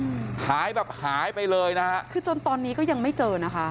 อืมหายแบบหายไปเลยนะฮะคือจนตอนนี้ก็ยังไม่เจอนะคะ